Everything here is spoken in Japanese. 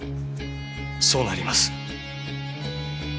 そうなります。